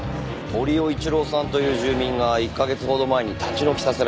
堀尾一郎さんという住人が１カ月ほど前に立ち退きさせられてます。